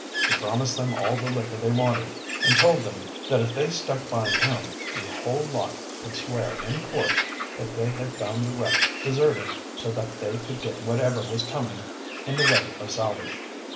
He promised them all the liquor they wanted, and told them that if they stuck by him the whole lot could swear in court that they had found the wreck deserted, so that they could get whatever was coming in the way of salvage.